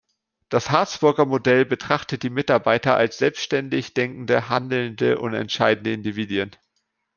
Das Harzburger Modell betrachtet die Mitarbeiter als selbstständig denkende, handelnde und entscheidende Individuen.